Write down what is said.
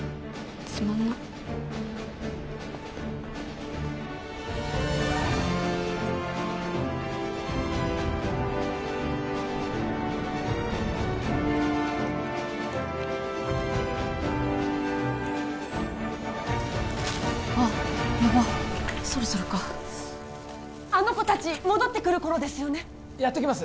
つまんなっあっヤバッそろそろかあの子達戻ってくる頃ですよねやっときます